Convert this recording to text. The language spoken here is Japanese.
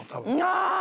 ああ！